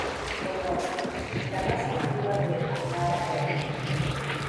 Donosti, la más antigua de Amara Berri.